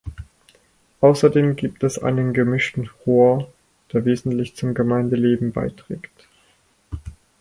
Außerdem gibt es einen Gemischten Chor, der wesentlich zum Gemeindeleben beiträgt.